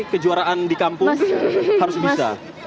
kejuaraan di kampung harus bisa